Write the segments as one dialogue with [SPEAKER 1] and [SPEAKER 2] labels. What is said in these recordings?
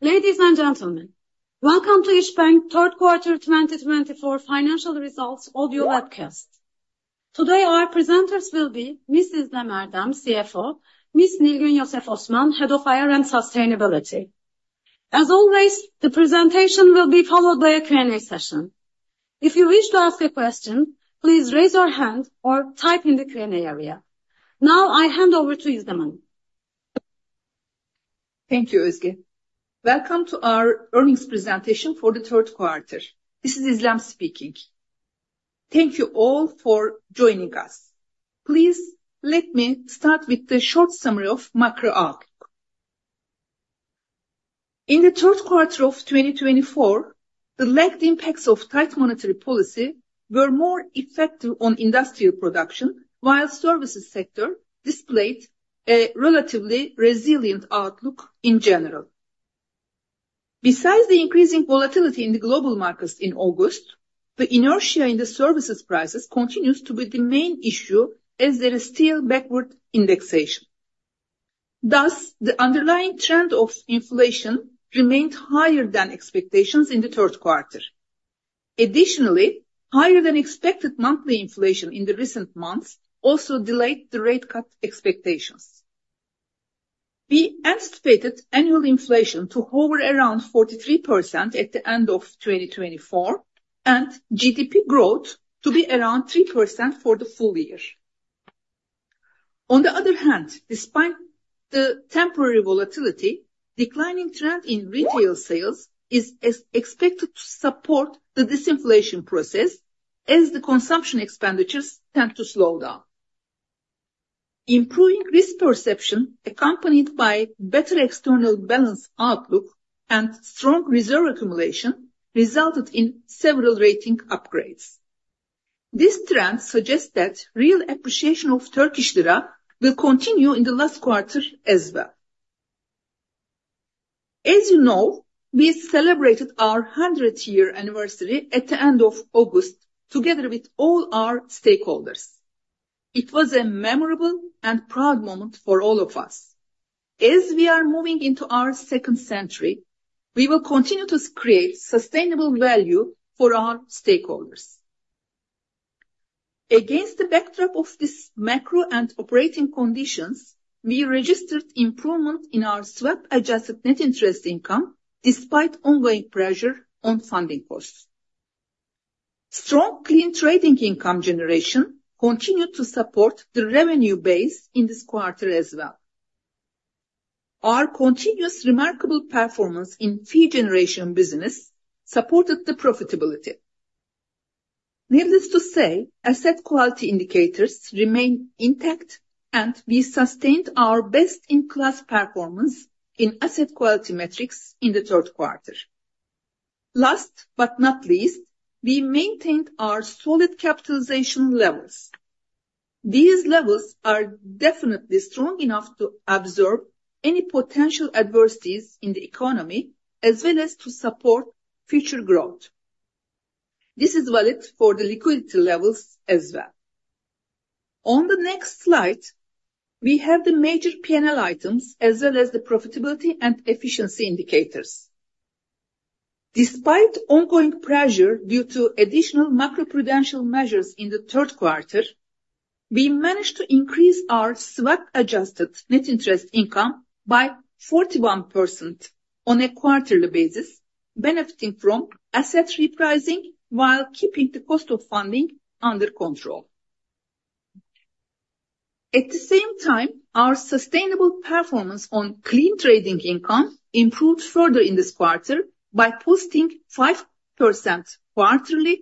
[SPEAKER 1] Ladies and gentlemen, welcome to Isbank's Third Quarter 2024 Financial Results Audio webcast. Today, our presenters will be Ms. İzlem Erdem, CFO; Ms. Nilgün Yosef Osman, Head of IR and Sustainability. As always, the presentation will be followed by a Q&A session. If you wish to ask a question, please raise your hand or type in the Q&A area. Now, I hand over to İzlem.
[SPEAKER 2] Thank you, Özge. Welcome to our earnings presentation for the third quarter. This is İzlem speaking. Thank you all for joining us. Please let me start with the short summary of macro outlook. In the third quarter of 2024, the lagged impacts of tight monetary policy were more effective on industrial production, while the services sector displayed a relatively resilient outlook in general. Besides the increasing volatility in the global markets in August, the inertia in the services prices continues to be the main issue as there is still backward indexation. Thus, the underlying trend of inflation remained higher than expectations in the third quarter. Additionally, higher-than-expected monthly inflation in the recent months also delayed the rate-cut expectations. We anticipated annual inflation to hover around 43% at the end of 2024 and GDP growth to be around 3% for the full year. On the other hand, despite the temporary volatility, a declining trend in retail sales is expected to support the disinflation process, as the consumption expenditures tend to slow down. Improving risk perception, accompanied by a better external balance outlook and strong reserve accumulation, resulted in several rating upgrades. This trend suggests that real appreciation of the Turkish Lira will continue in the last quarter as well. As you know, we celebrated our 100-year anniversary at the end of August together with all our stakeholders. It was a memorable and proud moment for all of us. As we are moving into our second century, we will continue to create sustainable value for our stakeholders. Against the backdrop of these macro and operating conditions, we registered improvement in our swap-adjusted net interest income despite ongoing pressure on funding costs. Strong, clean trading income generation continued to support the revenue base in this quarter as well. Our continuous remarkable performance in fee-generation business supported the profitability. Needless to say, asset quality indicators remained intact, and we sustained our best-in-class performance in asset quality metrics in the third quarter. Last but not least, we maintained our solid capitalization levels. These levels are definitely strong enough to absorb any potential adversities in the economy as well as to support future growth. This is valid for the liquidity levels as well. On the next slide, we have the major P&L items as well as the profitability and efficiency indicators. Despite ongoing pressure due to additional macroprudential measures in the third quarter, we managed to increase our swap-adjusted net interest income by 41% on a quarterly basis, benefiting from asset repricing while keeping the cost of funding under control. At the same time, our sustainable performance on clean trading income improved further in this quarter by posting a 5% quarterly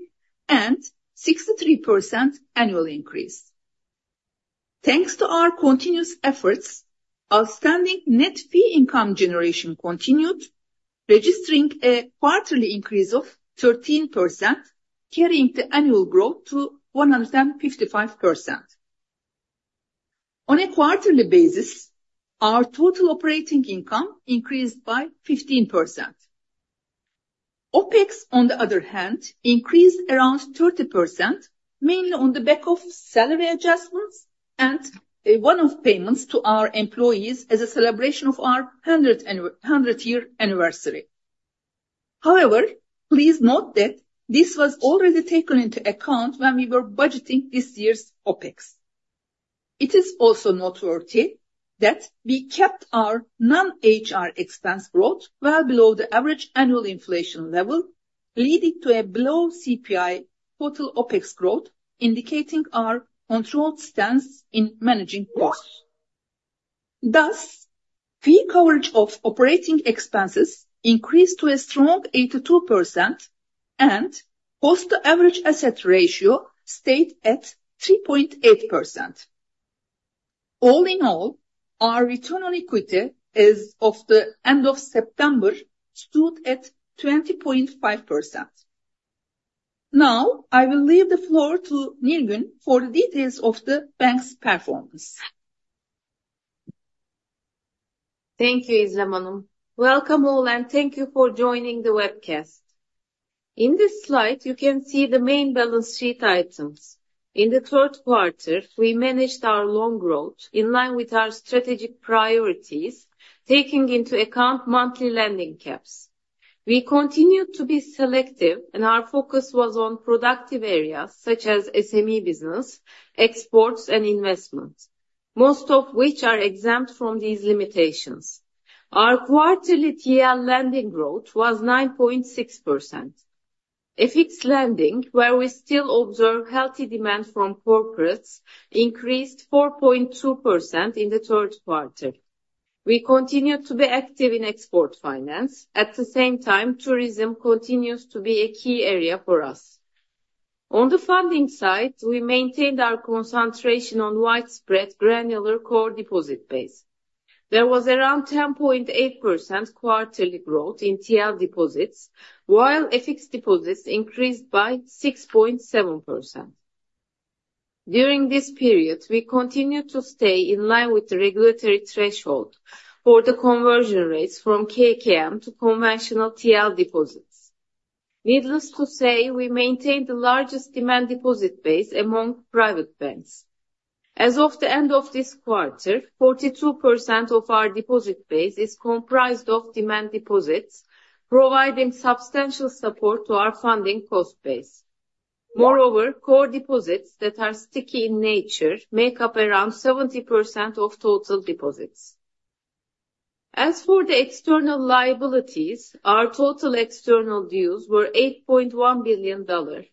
[SPEAKER 2] and a 63% annual increase. Thanks to our continuous efforts, outstanding net fee income generation continued, registering a quarterly increase of 13%, carrying the annual growth to 155%. On a quarterly basis, our total operating income increased by 15%. OPEX, on the other hand, increased around 30%, mainly on the back of salary adjustments and one-off payments to our employees as a celebration of our 100-year anniversary. However, please note that this was already taken into account when we were budgeting this year's OPEX. It is also noteworthy that we kept our non-HR expense growth well below the average annual inflation level, leading to a below-CPI total OPEX growth, indicating our controlled stance in managing costs. Thus, fee coverage of operating expenses increased to a strong 82%, and cost-to-average asset ratio stayed at 3.8%. All in all, our return on equity as of the end of September stood at 20.5%. Now, I will leave the floor to Nilgün for the details of the bank's performance.
[SPEAKER 3] Thank you, İzlem Erdem. Welcome all, and thank you for joining the webcast. In this slide, you can see the main balance sheet items. In the third quarter, we managed our loan growth in line with our strategic priorities, taking into account monthly lending caps. We continued to be selective, and our focus was on productive areas such as SME business, exports, and investment, most of which are exempt from these limitations. Our quarterly TL lending growth was 9.6%. FX lending, where we still observe healthy demand from corporates, increased 4.2% in the third quarter. We continued to be active in export finance. At the same time, tourism continues to be a key area for us. On the funding side, we maintained our concentration on widespread, granular core deposit base. There was around 10.8% quarterly growth in TL deposits, while FX deposits increased by 6.7%. During this period, we continued to stay in line with the regulatory threshold for the conversion rates from KKM to conventional TL deposits. Needless to say, we maintained the largest demand deposit base among private banks. As of the end of this quarter, 42% of our deposit base is comprised of demand deposits, providing substantial support to our funding cost base. Moreover, core deposits that are sticky in nature make up around 70% of total deposits. As for the external liabilities, our total external dues were $8.1 billion.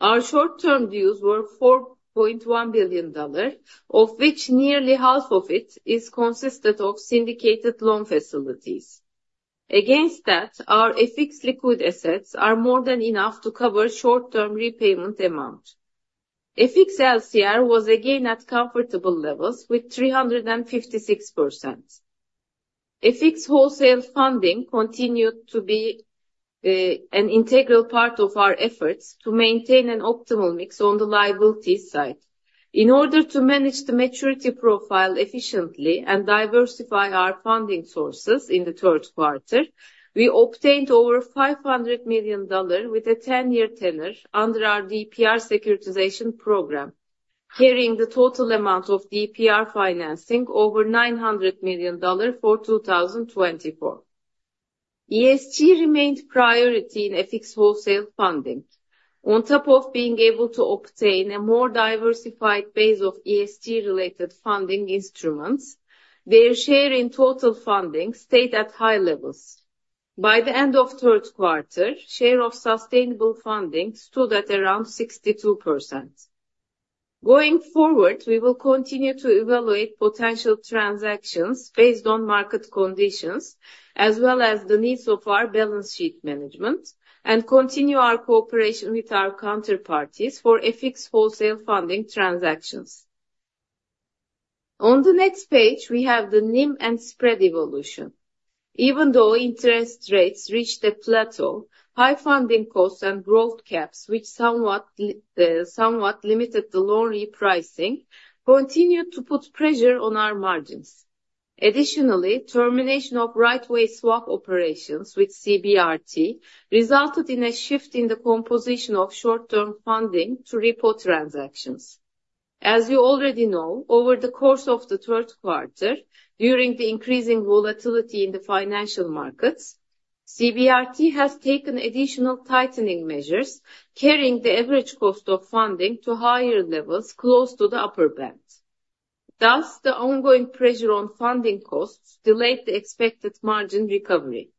[SPEAKER 3] Our short-term dues were $4.1 billion, of which nearly half of it is consisted of syndicated loan facilities. Against that, our FX liquid assets are more than enough to cover short-term repayment amount. FX LCR was again at comfortable levels with 356%. FX wholesale funding continued to be an integral part of our efforts to maintain an optimal mix on the liabilities side. In order to manage the maturity profile efficiently and diversify our funding sources in the third quarter, we obtained over $500 million with a 10-year tenor under our DPR securitization program, carrying the total amount of DPR financing over $900 million for 2024. ESG remained a priority in FX wholesale funding. On top of being able to obtain a more diversified base of ESG-related funding instruments, their share in total funding stayed at high levels. By the end of the third quarter, the share of sustainable funding stood at around 62%. Going forward, we will continue to evaluate potential transactions based on market conditions, as well as the needs of our balance sheet management, and continue our cooperation with our counterparties for FX wholesale funding transactions. On the next page, we have the NIM and spread evolution. Even though interest rates reached a plateau, high funding costs and growth caps, which somewhat limited the loan repricing, continued to put pressure on our margins. Additionally, the termination of right-way swap operations with CBRT resulted in a shift in the composition of short-term funding to repo transactions. As you already know, over the course of the third quarter, during the increasing volatility in the financial markets, CBRT has taken additional tightening measures, carrying the average cost of funding to higher levels close to the upper band. Thus, the ongoing pressure on funding costs delayed the expected margin recovery.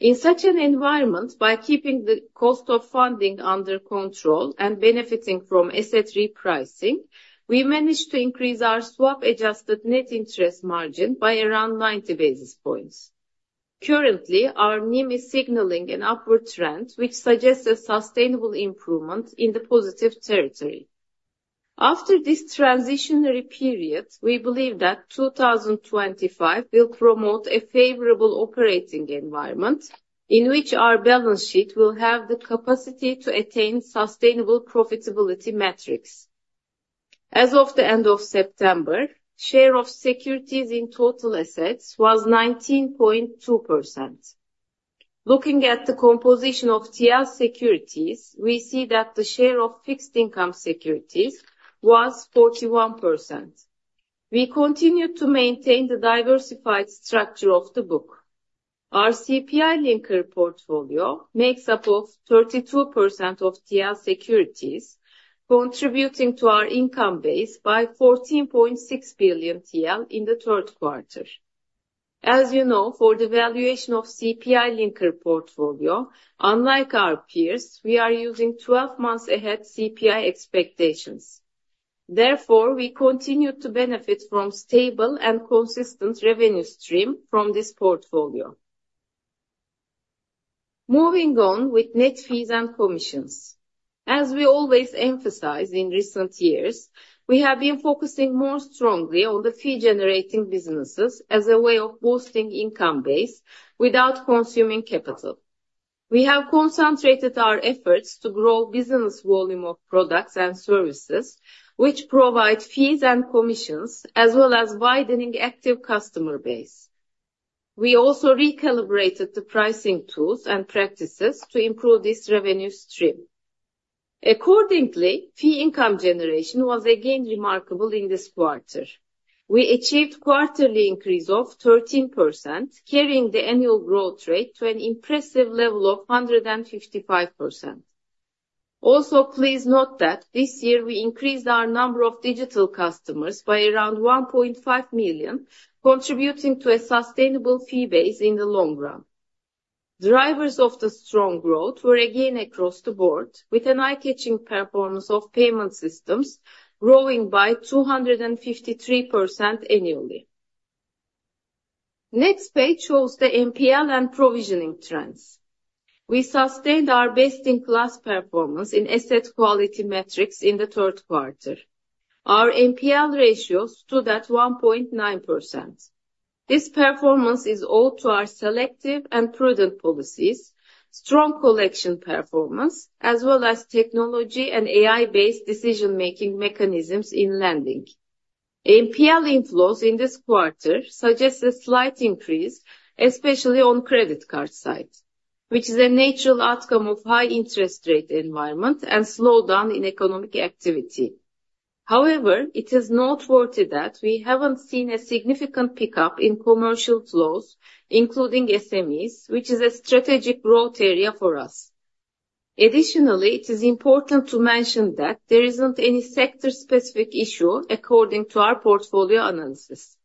[SPEAKER 3] In such an environment, by keeping the cost of funding under control and benefiting from asset repricing, we managed to increase our swap-adjusted net interest margin by around 90 basis points. Currently, our NIM is signaling an upward trend, which suggests a sustainable improvement in the positive territory. After this transitory period, we believe that 2025 will promote a favorable operating environment in which our balance sheet will have the capacity to attain sustainable profitability metrics. As of the end of September, the share of securities in total assets was 19.2%. Looking at the composition of TL securities, we see that the share of fixed income securities was 41%. We continue to maintain the diversified structure of the book. Our CPI Linker portfolio makes up 32% of TL securities, contributing to our income base by 14.6 billion TL in the third quarter. As you know, for the valuation of the CPI Linker portfolio, unlike our peers, we are using 12-month-ahead CPI expectations. Therefore, we continue to benefit from a stable and consistent revenue stream from this portfolio. Moving on with net fees and commissions. As we always emphasize in recent years, we have been focusing more strongly on the fee-generating businesses as a way of boosting the income base without consuming capital. We have concentrated our efforts to grow the business volume of products and services, which provide fees and commissions, as well as widening the active customer base. We also recalibrated the pricing tools and practices to improve this revenue stream. Accordingly, fee income generation was again remarkable in this quarter. We achieved a quarterly increase of 13%, carrying the annual growth rate to an impressive level of 155%. Also, please note that this year we increased our number of digital customers by around 1.5 million, contributing to a sustainable fee base in the long run. Drivers of the strong growth were again across the board, with an eye-catching performance of payment systems growing by 253% annually. The next page shows the NPL and provisioning trends. We sustained our best-in-class performance in asset quality metrics in the third quarter. Our NPL ratio stood at 1.9%. This performance is owed to our selective and prudent policies, strong collection performance, as well as technology and AI-based decision-making mechanisms in lending. NPL inflows in this quarter suggest a slight increase, especially on the credit card side, which is a natural outcome of the high-interest rate environment and slowdown in economic activity. However, it is noteworthy that we haven't seen a significant pickup in commercial flows, including SMEs, which is a strategic growth area for us. Additionally, it is important to mention that there isn't any sector-specific issue according to our portfolio analysis.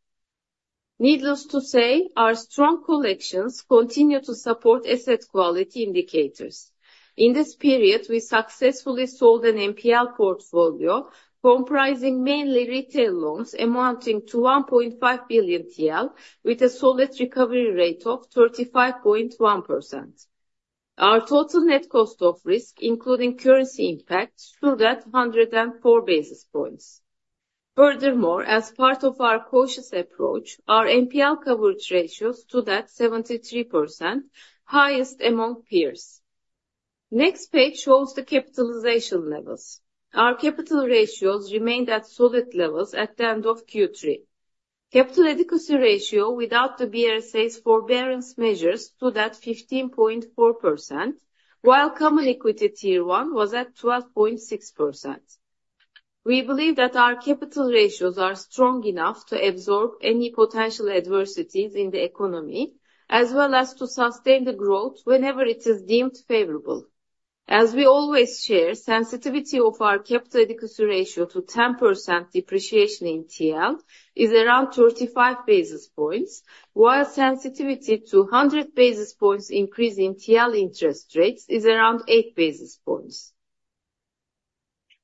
[SPEAKER 3] Needless to say, our strong collections continue to support asset quality indicators. In this period, we successfully sold an NPL portfolio comprising mainly retail loans amounting to 1.5 billion TL, with a solid recovery rate of 35.1%. Our total net cost of risk, including currency impact, stood at 104 basis points. Furthermore, as part of our cautious approach, our NPL coverage ratio stood at 73%, the highest among peers. The next page shows the capitalization levels. Our capital ratios remained at solid levels at the end of Q3. The Capital Adequacy Ratio, without the BRSA's Forbearance Measures, stood at 15.4%, while Common Equity Tier 1 was at 12.6%. We believe that our capital ratios are strong enough to absorb any potential adversities in the economy, as well as to sustain the growth whenever it is deemed favorable. As we always share, the sensitivity of our Capital Adequacy Ratio to 10% depreciation in TL is around 35 basis points, while the sensitivity to 100 basis points increase in TL interest rates is around 8 basis points.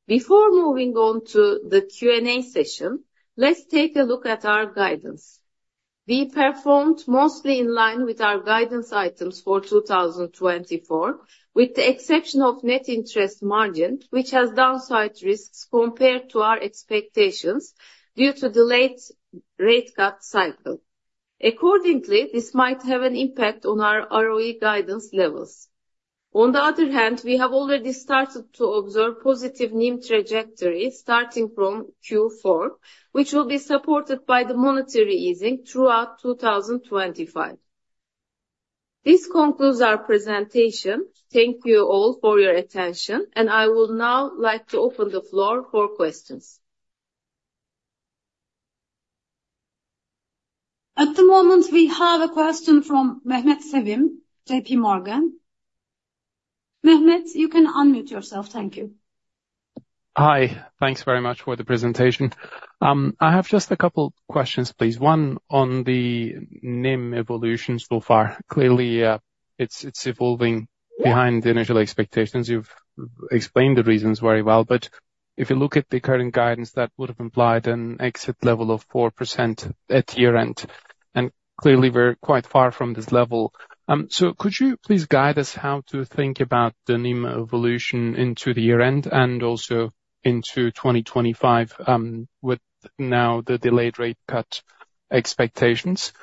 [SPEAKER 3] Before moving on to the Q&A session, let's take a look at our guidance. We performed mostly in line with our guidance items for 2024, with the exception of the Net Interest Margin, which has downsized risks compared to our expectations due to the late rate cut cycle. Accordingly, this might have an impact on our ROE guidance levels. On the other hand, we have already started to observe a positive NIM trajectory starting from Q4, which will be supported by the monetary easing throughout 2025. This concludes our presentation. Thank you all for your attention, and I would now like to open the floor for questions.
[SPEAKER 1] At the moment, we have a question from Mehmet Sevim, J.P. Morgan. Mehmet, you can unmute yourself. Thank you.
[SPEAKER 4] Hi, thanks very much for the presentation. I have just a couple of questions, please. One on the NIM evolution so far. Clearly, it's evolving behind the initial expectations. You've explained the reasons very well. But if you look at the current guidance, that would have implied an exit level of 4% at year-end. And clearly, we're quite far from this level. So could you please guide us how to think about the NIM evolution into the year-end and also into 2025 with now the delayed rate cut expectations?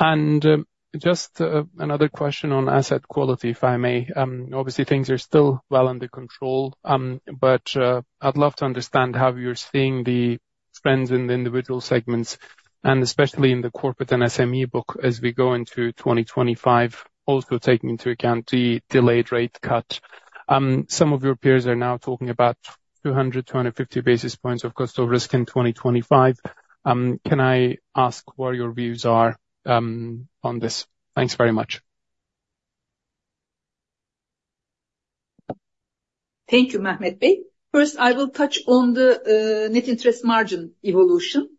[SPEAKER 4] And just another question on asset quality, if I may. Obviously, things are still well under control, but I'd love to understand how you're seeing the trends in the individual segments, and especially in the corporate and SME book as we go into 2025, also taking into account the delayed rate cut. Some of your peers are now talking about 200-250 basis points of cost of risk in 2025. Can I ask what your views are on this? Thanks very much.
[SPEAKER 2] Thank you, Mehmet Bey. First, I will touch on the net interest margin evolution.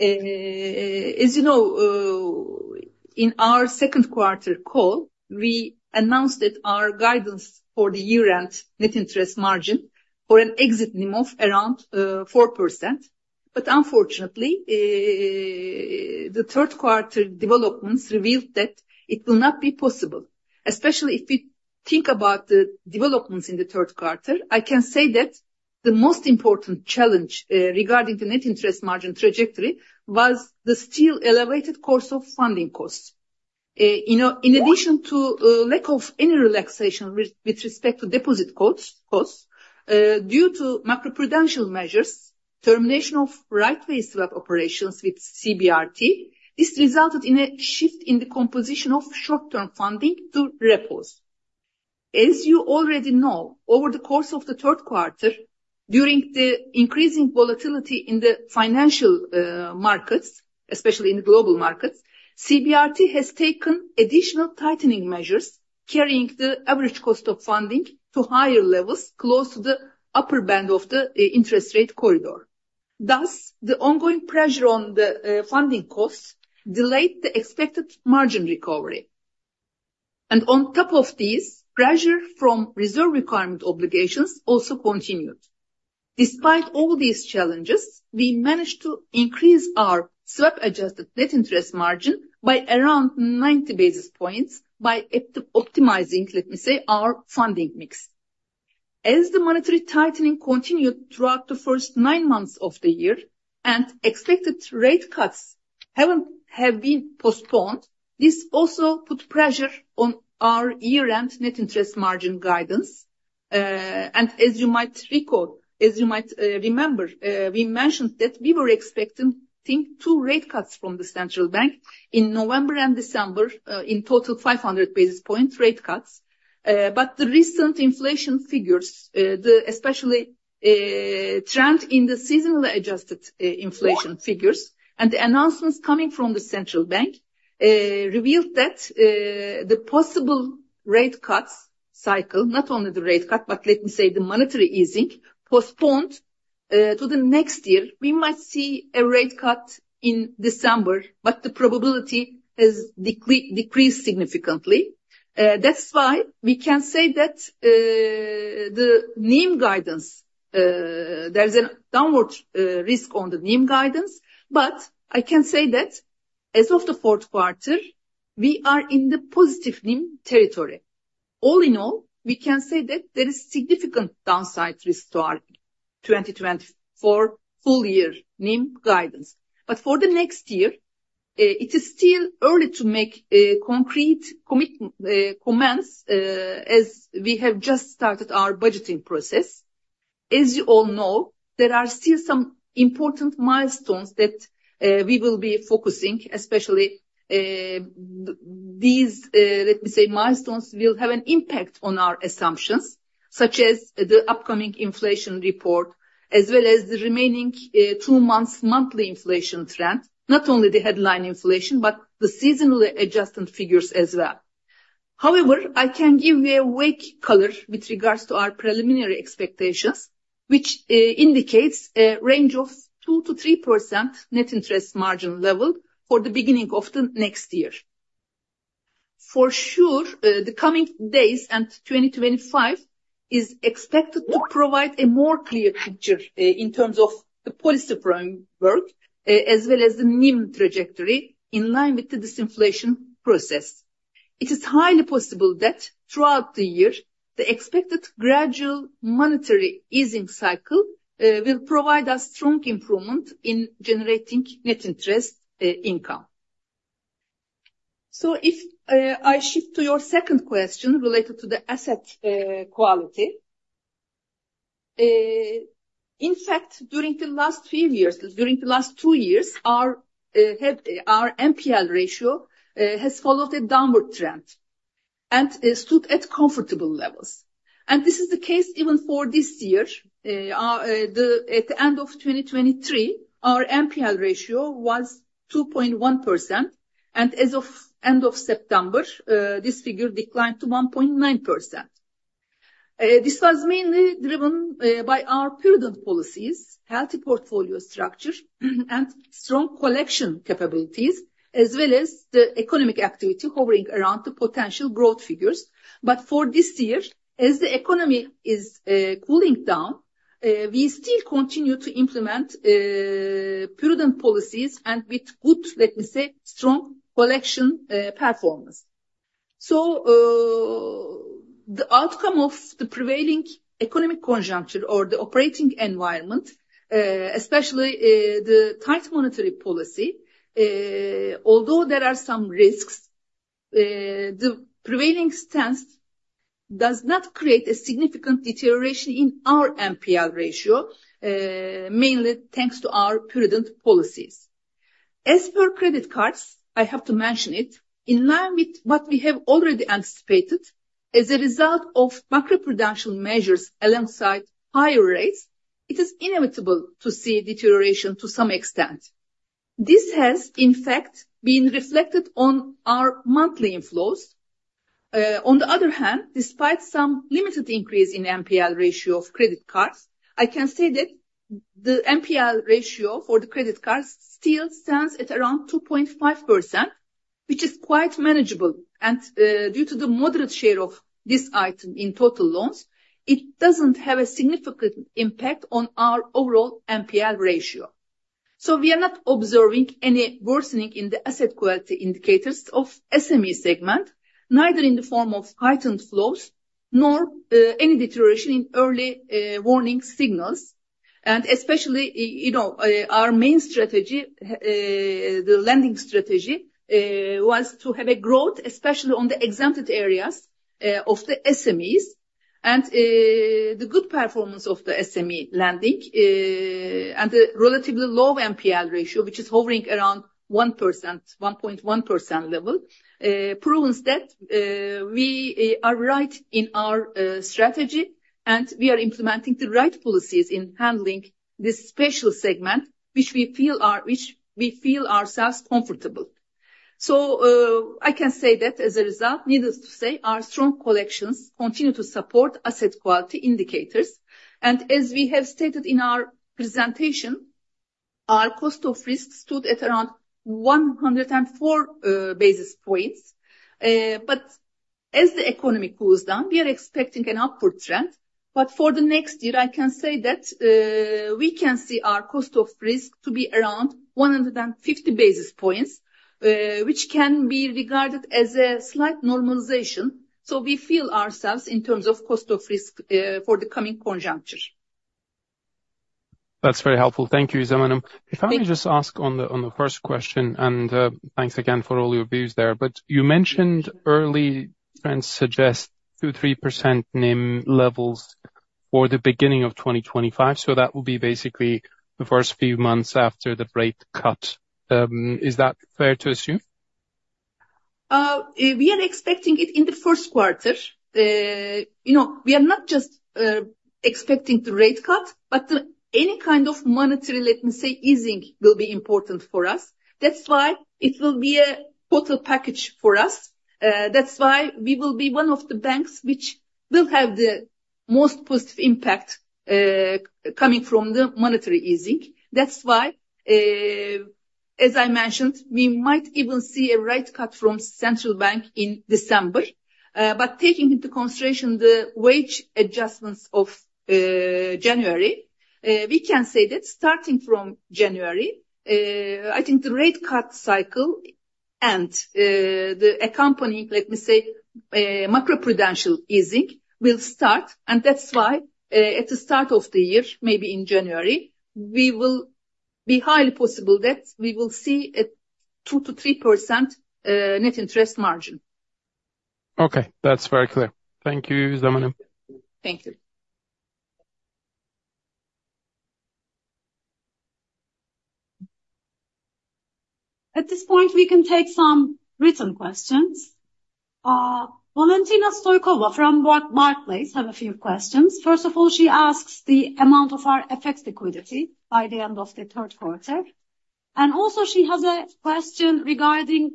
[SPEAKER 2] As you know, in our second quarter call, we announced that our guidance for the year-end net interest margin for an exit NIM of around 4%. But unfortunately, the third quarter developments revealed that it will not be possible. Especially if we think about the developments in the third quarter, I can say that the most important challenge regarding the net interest margin trajectory was the still elevated course of funding costs. In addition to the lack of any relaxation with respect to deposit costs due to macroprudential measures, termination of right-way swap operations with CBRT, this resulted in a shift in the composition of short-term funding to repos. As you already know, over the course of the third quarter, during the increasing volatility in the financial markets, especially in the global markets, CBRT has taken additional tightening measures, carrying the average cost of funding to higher levels close to the upper band of the interest rate corridor. Thus, the ongoing pressure on the funding costs delayed the expected margin recovery, and on top of these, pressure from reserve requirement obligations also continued. Despite all these challenges, we managed to increase our swap-adjusted net interest margin by around 90 basis points by optimizing, let me say, our funding mix. As the monetary tightening continued throughout the first nine months of the year and expected rate cuts have been postponed, this also put pressure on our year-end net interest margin guidance. As you might recall, as you might remember, we mentioned that we were expecting two rate cuts from the central bank in November and December, in total 500 basis points rate cuts. The recent inflation figures, especially the trend in the seasonally adjusted inflation figures and the announcements coming from the central bank, revealed that the possible rate cuts cycle, not only the rate cut, but let me say the monetary easing, postponed to the next year. We might see a rate cut in December, but the probability has decreased significantly. That's why we can say that the NIM guidance, there's a downward risk on the NIM guidance, but I can say that as of the fourth quarter, we are in the positive NIM territory. All in all, we can say that there is significant downside risk to our 2024 full-year NIM guidance. But for the next year, it is still early to make concrete comments as we have just started our budgeting process. As you all know, there are still some important milestones that we will be focusing, especially these, let me say, milestones will have an impact on our assumptions, such as the upcoming inflation report, as well as the remaining two months' monthly inflation trend, not only the headline inflation, but the seasonally adjusted figures as well. However, I can give you a weak color with regards to our preliminary expectations, which indicates a range of 2%-3% net interest margin level for the beginning of the next year. For sure, the coming days and 2025 is expected to provide a more clear picture in terms of the policy framework, as well as the NIM trajectory in line with the disinflation process. It is highly possible that throughout the year, the expected gradual monetary easing cycle will provide a strong improvement in generating net interest income, so if I shift to your second question related to the asset quality, in fact, during the last few years, during the last two years, our NPL ratio has followed a downward trend and stood at comfortable levels, and this is the case even for this year. At the end of 2023, our NPL ratio was 2.1%, and as of the end of September, this figure declined to 1.9%. This was mainly driven by our prudent policies, healthy portfolio structure, and strong collection capabilities, as well as the economic activity hovering around the potential growth figures, but for this year, as the economy is cooling down, we still continue to implement prudent policies and with good, let me say, strong collection performance. So the outcome of the prevailing economic conjuncture or the operating environment, especially the tight monetary policy, although there are some risks, the prevailing stance does not create a significant deterioration in our NPL ratio, mainly thanks to our prudent policies. As per credit cards, I have to mention it, in line with what we have already anticipated, as a result of macroprudential measures alongside higher rates, it is inevitable to see deterioration to some extent. This has, in fact, been reflected on our monthly inflows. On the other hand, despite some limited increase in the NPL ratio of credit cards, I can say that the NPL ratio for the credit cards still stands at around 2.5%, which is quite manageable. And due to the moderate share of this item in total loans, it doesn't have a significant impact on our overall NPL ratio. We are not observing any worsening in the asset quality indicators of the SME segment, neither in the form of heightened flows nor any deterioration in early warning signals. And especially, you know, our main strategy, the lending strategy, was to have a growth, especially on the exempted areas of the SMEs. And the good performance of the SME lending and the relatively low NPL ratio, which is hovering around 1%-1.1% level, proves that we are right in our strategy and we are implementing the right policies in handling this special segment, which we feel ourselves comfortable. So I can say that as a result, needless to say, our strong collections continue to support asset quality indicators. And as we have stated in our presentation, our cost of risk stood at around 104 basis points. But as the economy cools down, we are expecting an upward trend. But for the next year, I can say that we can see our cost of risk to be around 150 basis points, which can be regarded as a slight normalization. So we feel ourselves in terms of cost of risk for the coming conjuncture.
[SPEAKER 4] That's very helpful. Thank you, İzlem. If I may just ask on the first question, and thanks again for all your views there, but you mentioned early trends suggest 2-3% NIM levels for the beginning of 2025. So that will be basically the first few months after the rate cut. Is that fair to assume?
[SPEAKER 2] We are expecting it in the first quarter. You know, we are not just expecting the rate cut, but any kind of monetary, let me say, easing will be important for us. That's why it will be a total package for us. That's why we will be one of the banks which will have the most positive impact coming from the monetary easing. That's why, as I mentioned, we might even see a rate cut from the central bank in December. But taking into consideration the wage adjustments of January, we can say that starting from January, I think the rate cut cycle and the accompanying, let me say, macroprudential easing will start. And that's why at the start of the year, maybe in January, we will be highly possible that we will see a 2-3% net interest margin.
[SPEAKER 4] Okay, that's very clear. Thank you, Izlem Erdem.
[SPEAKER 2] Thank you.
[SPEAKER 1] At this point, we can take some written questions. Valentina Stoykova from Barclays has a few questions. First of all, she asks the amount of our FX liquidity by the end of the third quarter. And also, she has a question regarding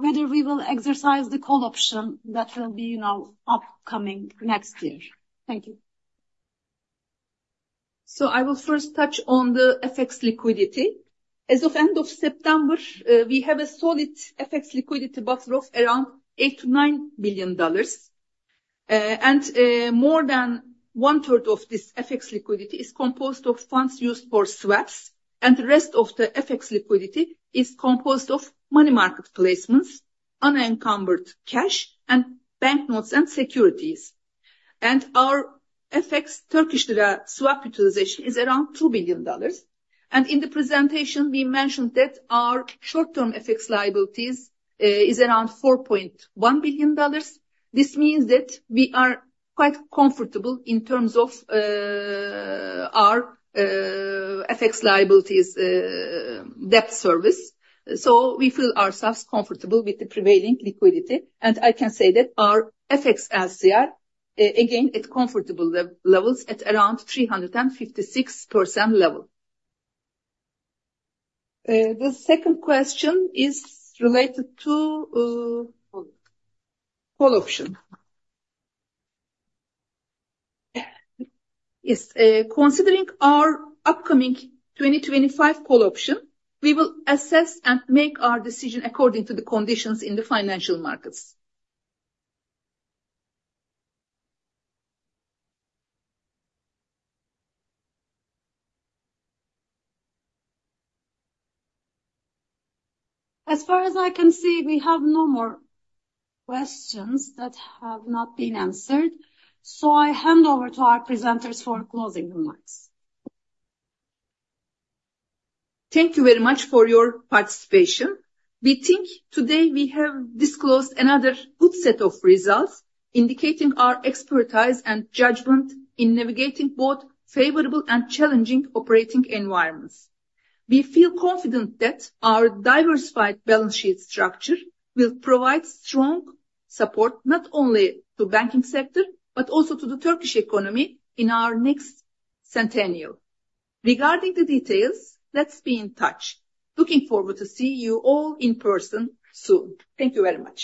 [SPEAKER 1] whether we will exercise the call option that will be upcoming next year. Thank you.
[SPEAKER 2] So I will first touch on the FX liquidity. As of the end of September, we have a solid FX liquidity buffer of around $8-$9 billion. And more than one-third of this FX liquidity is composed of funds used for swaps, and the rest of the FX liquidity is composed of money market placements, unencumbered cash, and bank notes and securities. And our FX Turkish lira swap utilization is around $2 billion. And in the presentation, we mentioned that our short-term FX liabilities are around $4.1 billion. This means that we are quite comfortable in terms of our FX liabilities debt service. So we feel ourselves comfortable with the prevailing liquidity. And I can say that our FX LCR, again, at comfortable levels at around 356% level.
[SPEAKER 1] The second question is related to call option.
[SPEAKER 2] Yes. Considering our upcoming 2025 call option, we will assess and make our decision according to the conditions in the financial markets.
[SPEAKER 1] As far as I can see, we have no more questions that have not been answered. So I hand over to our presenters for closing remarks.
[SPEAKER 2] Thank you very much for your participation. We think today we have disclosed another good set of results indicating our expertise and judgment in navigating both favorable and challenging operating environments. We feel confident that our diversified balance sheet structure will provide strong support not only to the banking sector, but also to the Turkish economy in our next centennial. Regarding the details, let's be in touch. Looking forward to seeing you all in person soon. Thank you very much.